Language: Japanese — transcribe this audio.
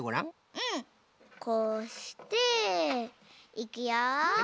こうしていくよ。